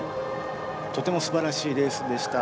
とてもすばらしいレースでした。